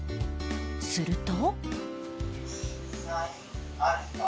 すると